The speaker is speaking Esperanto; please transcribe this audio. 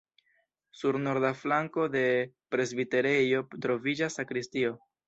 Sur norda flanko de presbiterejo troviĝas sakristio.